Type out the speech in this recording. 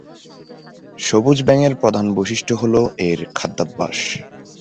সবুজ ব্যাঙের প্রধান বৈশিষ্ট্য হলো এর খাদ্যাভ্যাস।